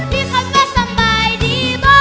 ปีครับแกสามายดีบ่